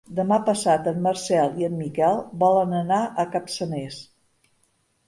Demà passat en Marcel i en Miquel volen anar a Capçanes.